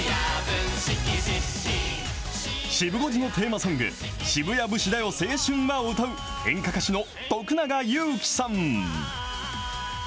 シブ５時のテーマソング、渋谷節だよ青春は！を歌う演歌歌手の徳永ゆうきさん。